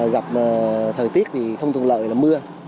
gặp thời tiết thì không thuận lợi là mưa